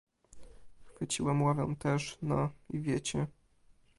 "Chwyciłem ławę też, no... i wiecie!..."